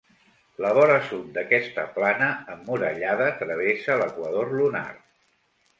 La vora sud d'aquesta plana emmurallada travessa l'equador lunar.